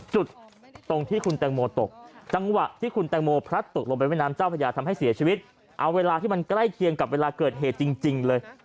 จุดตรงที่คุณแตงโมตกจังหวะที่คุณแตงโมพลัดตกลงไปแม่น้ำเจ้าพระยาทำให้เสียชีวิตเอาเวลาที่มันใกล้เคียงกับเวลาเกิดเหตุจริงเลย